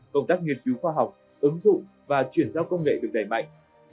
công tác nghiên cứu khoa học ứng dụng và chuyển giao công nghệ được đẩy mạnh